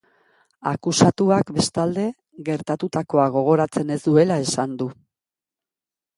Akusatuak, bestalde, gertatutakoa gogoratzen ez duela esan du.